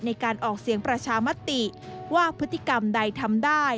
ในการออกเสียงประชามติว่าพฤติกรรมใดทำได้